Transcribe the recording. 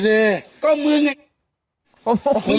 ที่นิดหน่อย